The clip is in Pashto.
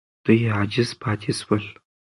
دوی عاجز پاتې سول.